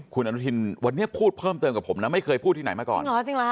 คุณอนุทินวันนี้พูดเพิ่มเติมกับผมนะไม่เคยพูดที่ไหนมาก่อน